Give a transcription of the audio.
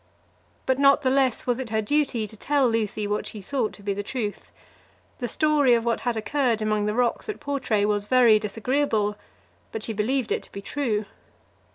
But not the less was it her duty to tell Lucy what she thought to be the truth. The story of what had occurred among the rocks at Portray was very disagreeable, but she believed it to be true.